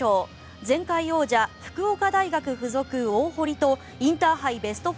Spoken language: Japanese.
前回王者、福岡大学附属大濠とインターハイベスト４